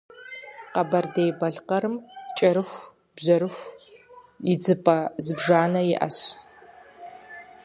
Къэбэрдей-Балъкъэрым кӏэрыхубжьэрыху идзыпӏэ зыбжанэ иӏэщ.